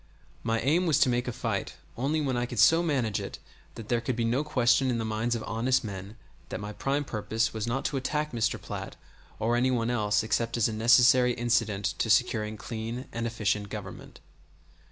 My aim was to make a fight only when I could so manage it that there could be no question in the minds of honest men that my prime purpose was not to attack Mr. Platt or any one else except as a necessary incident to securing clean and efficient government.